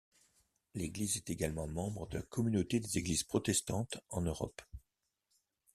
L'église est également membre de la Communauté des Églises Protestantes en Europe.